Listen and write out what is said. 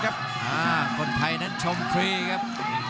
คนไทยนั้นชมฟรีครับ